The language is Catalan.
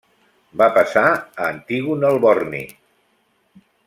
Va passar a Antígon el borni.